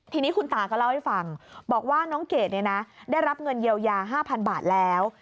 ทีนี้คุณตาก็เล่าให้ฟังบอกว่าน้องเกดได้รับเงินเยียวยา๕๐๐๐บาทแล้ว